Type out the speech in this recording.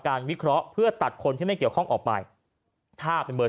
วิเคราะห์เพื่อตัดคนที่ไม่เกี่ยวข้องออกไปถ้าเป็นเบอร์